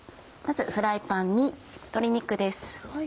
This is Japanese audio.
まずフライパンに鶏肉です。